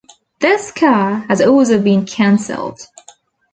This car has also been cancelled.